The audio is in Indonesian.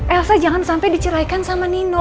elsa jangan sampai diceraikan sama nino